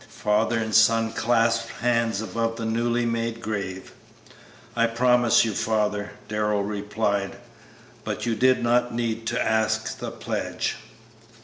Father and son clasped hands above the newly made grave. "I promise you, father," Darrell replied; "but you did not need to ask the pledge."